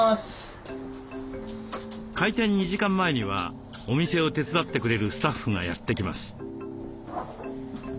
開店２時間前にはお店を手伝ってくれるスタッフがやって来ます。